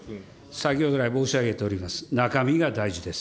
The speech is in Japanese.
先ほど来申し上げております、中身が大事です。